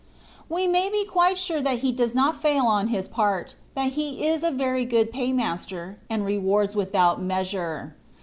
''* We may be quite sure that He does not fail on His part ; that He is a very good Paymaster, and rewards without measure.